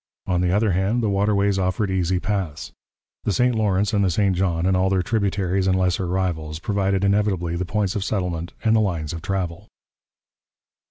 On the other hand, the waterways offered easy paths. The St Lawrence and the St John and all their tributaries and lesser rivals provided inevitably the points of settlement and the lines of travel.